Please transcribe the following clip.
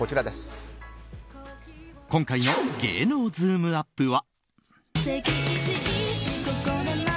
今回の芸能ズームＵＰ！は。